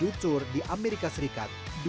yang muncul di amerika serikat dua ribu sembilan lalu